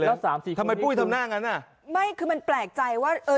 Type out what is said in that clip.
แล้วสามสี่ทำไมปุ้ยทำหน้างั้นอ่ะไม่คือมันแปลกใจว่าเออ